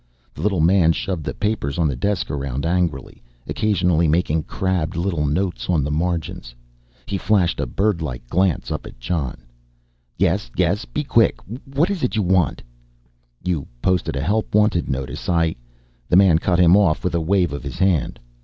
The little man shoved the papers on the desk around angrily, occasionally making crabbed little notes on the margins. He flashed a birdlike glance up at Jon. "Yes, yes, be quick. What is it you want?" "You posted a help wanted notice, I " The man cut him off with a wave of his hand.